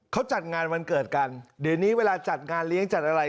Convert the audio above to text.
เขาจัดงานวันเกิดกันเดี๋ยวนี้เวลาจัดงานเลี้ยงจัดอะไร